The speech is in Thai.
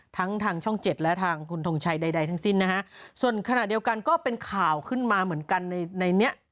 ทั้งทางช่องเจ็ดและทางคุณทงชัยใดทั้งสิ้นนะฮะส่วนขณะเดียวกันก็เป็นข่าวขึ้นมาเหมือนกันในในนี้